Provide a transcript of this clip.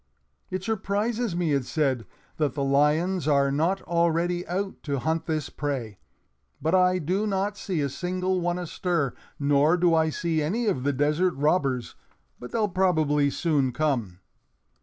"It surprises me," it said, "that the lions are not already out to hunt this prey, but I do not see a single one astir; nor do I see any of the desert robbers, but they'll probably soon come."